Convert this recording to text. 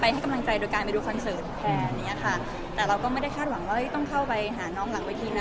ให้กำลังใจโดยการไปดูคอนเสิร์ตแทนอย่างเงี้ยค่ะแต่เราก็ไม่ได้คาดหวังว่าต้องเข้าไปหาน้องหลังเวทีนะ